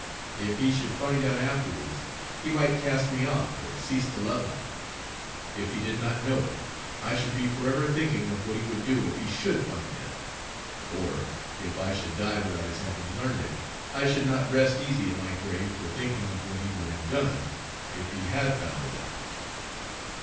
If he should find out afterwards, he might cast me off, or cease to love me. If he did not know it, I should be forever thinking of what he would do if he SHOULD find it out; or, if I should die without his having learned it, I should not rest easy in my grave for thinking of what he would have done if he HAD found it out."